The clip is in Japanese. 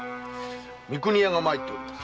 三国屋が参っております。